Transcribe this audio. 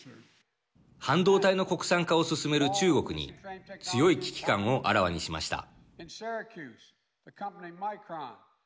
半導体の国産化を進める中国に強い危機感をあらわにしました。